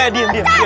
eh diam diam